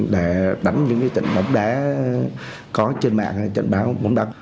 để đánh những cái trận bóng đá có trên mạng trận bóng đá